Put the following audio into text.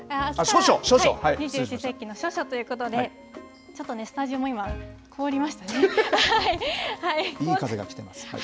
二十四節気の処暑ということで、ちょっとね、スタジオも今、いい風が来てます。